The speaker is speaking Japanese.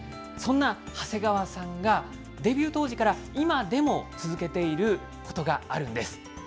そんな長谷川さんが、デビュー当時から今でも続けていることがあるんです。